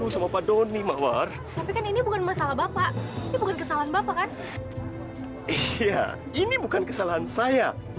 sampai jumpa di video selanjutnya